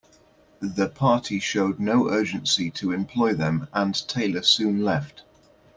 The Party showed no urgency to employ them, and Taylor soon left.